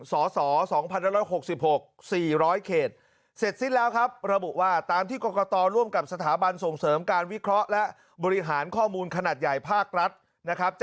สส๒๑๖๖๔๐๐เขตเสร็จสิ้นแล้วครับระบุว่าตามที่กรกตร่วมกับสถาบันส่งเสริมการวิเคราะห์และบริหารข้อมูลขนาดใหญ่ภาครัฐนะครับ